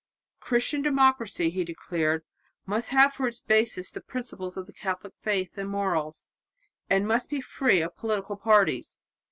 "Christian democracy," he declared, "must have for its basis the principles of Catholic faith and morals, and must be free of political parties."